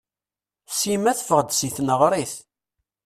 Sima teffeɣ-d seg tneɣrit.